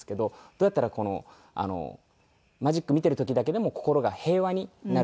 どうやったらマジック見ている時だけでも心が平和になるか。